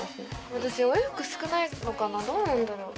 私お洋服少ないのかなどうなんだろう。